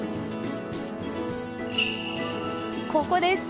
ここです。